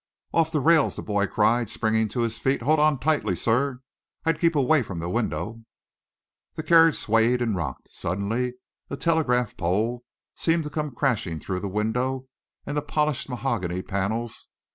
"Off the rails!" the boy cried, springing to his feet. "Hold on tightly, sir. I'd keep away from the window." The carriage swayed and rocked. Suddenly a telegraph post seemed to come crashing through the window and the polished mahogany panels.